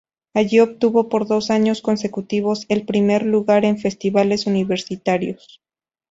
Allí obtuvo por dos años consecutivos el primer lugar en festivales universitarios.